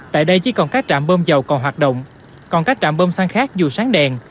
tại đây chỉ còn các trạm bơm dầu còn hoạt động còn các trạm bơm xăng khác dù sáng đèn